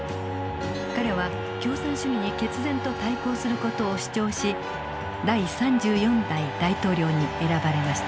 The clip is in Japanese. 彼は共産主義に決然と対抗する事を主張し第３４代大統領に選ばれました。